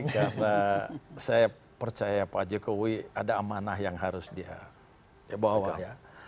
karena saya percaya pak jokowi ada amanah yang harus dia bawa ya